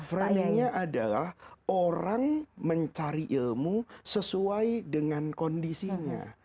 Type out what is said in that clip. framingnya adalah orang mencari ilmu sesuai dengan kondisinya